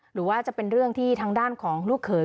หรือว่าจะเป็นเรื่องที่ทางด้านของลูกเขย